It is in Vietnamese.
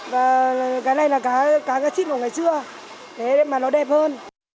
và cái này là cá cá xít của ngày xưa thế mà nó đẹp hơn